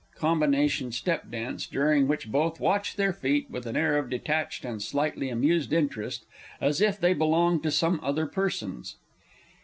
[_Combination step dance during which both watch their feet with an air of detached and slightly amused interest, as if they belonged to some other persons.